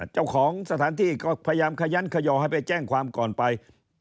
เจ้าของสถานที่ก็พยายามขยันขยอให้ไปแจ้งความก่อนไป